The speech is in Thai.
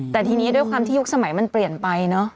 แต่ทีนี้ด้วยความที่ยุคสมัยมันเปลี่ยนไปเนอะ